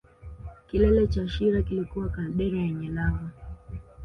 Kilele cha shira kilikuwa na kaldera yenye lava